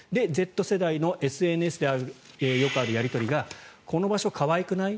Ｚ世代のＳＮＳでよくあるやり取りがこの場所、可愛くない？